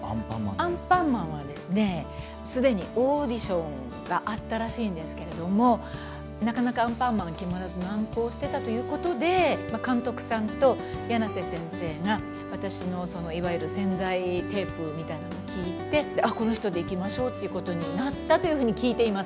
アンパンマンはですね、すでにオーディションがあったらしいんですけれども、なかなかアンパンマンが決まらず難航してたということで、監督さんとやなせ先生が、私のそのいわゆる、宣材テープみたいなのを聞いて、この人でいきましょうっていうことになったというふうに聞いています。